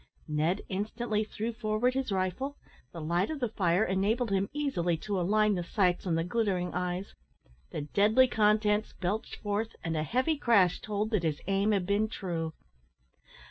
Ned instantly threw forward his rifle; the light of the fire enabled him easily to align the sights on the glittering eyes; the deadly contents belched forth, and a heavy crash told that his aim had been true.